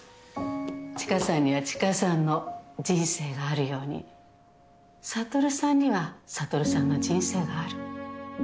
知花さんには知花さんの人生があるように悟さんには悟さんの人生がある。